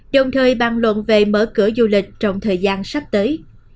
đồng thời bàn luận về mở cửa du lịch trong thời gian sắp tới